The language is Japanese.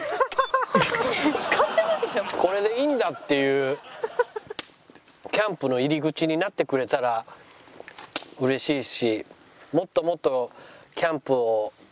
これでいいんだっていうキャンプの入り口になってくれたら嬉しいし。